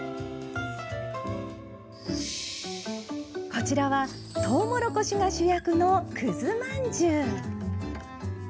こちらは、とうもろこしが主役のくずまんじゅう。